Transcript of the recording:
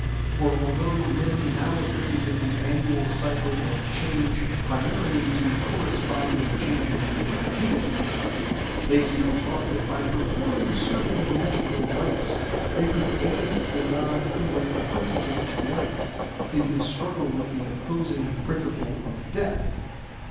For although men now attributed the annual cycle of change primarily to corresponding changes in their deities, they still thought that by performing certain magical rites they could aid the god who was the principle of life, in his struggle with the opposing principle of death.